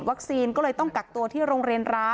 มีแต่เสียงตุ๊กแก่กลางคืนไม่กล้าเข้าห้องน้ำด้วยซ้ำ